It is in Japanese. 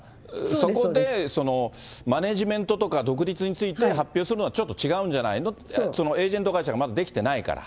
そこで、マネージメントとか、独立について発表するのは、ちょっと違うんじゃないの、エージェント会社がまだ出来てないから。